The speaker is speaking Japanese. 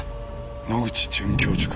野口准教授か。